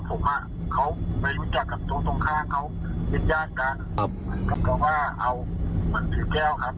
ว่าสิทธิ์แฟนและอีกกลุ่มมีโต๊ะถัดไปหรือเปล่า